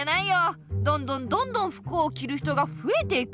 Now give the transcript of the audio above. どんどんどんどん服をきる人がふえていく！